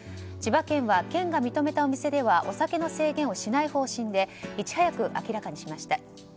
千葉県は県が認めたお店ではお酒の制限をしない方針でいち早く明らかにしました。